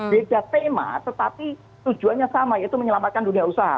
beda tema tetapi tujuannya sama yaitu menyelamatkan dunia usaha